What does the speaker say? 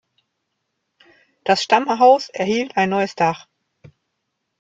Das Stammhaus erhielt ein neues Dach.